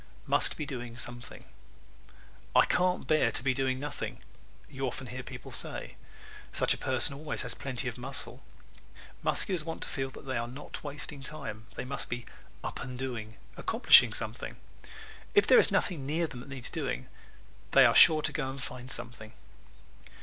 Must Be Doing Something ¶ "I can't bear to be doing nothing!" you often hear people say. Such a person always has plenty of muscle. Musculars want to feel that they are not wasting time. They must be "up and doing," accomplishing something. If there is nothing near them that needs doing they are sure to go and find something.